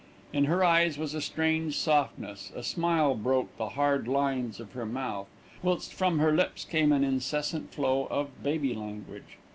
In her eyes was a strange softness, a smile broke the hard lines of her mouth, whilst from her lips came an incessant flow of baby language.